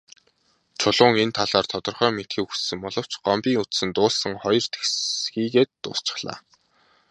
Чулуун энэ талаар тодорхой мэдэхийг хүссэн боловч Гомбын үзсэн дуулсан хоёр тэгсхийгээд дуусчихлаа.